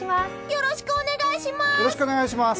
よろしくお願いします！